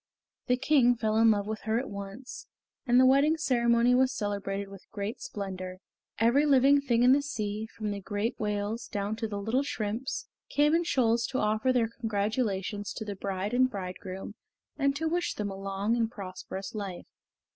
The King fell in love with her at once, and the wedding ceremony was celebrated with great splendor. Every living thing in the sea, from the great whales down to the little shrimps, came in shoals to offer their congratulations to the bride and bridegroom and to wish them a long and prosperous life.